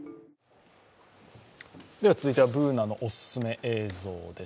では続いてはＢｏｏｎａのおすすめ映像です。